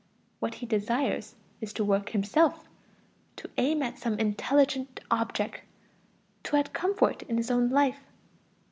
What he desires is to work himself, to aim at some intelligent object, to have comfort in his own life.